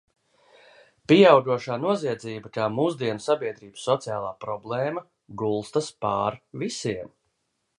Pieaugošā noziedzība kā mūsdienu sabiedrības sociālā problēma gulstas pār visiem.